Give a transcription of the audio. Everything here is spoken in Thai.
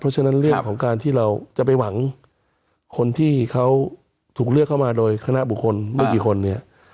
เพราะฉะนั้นเรื่องของการที่เราจะไปหวังคนที่เขาถูกเลือกเข้ามาโดยคณะบุคคลไม่กี่คนเนี่ย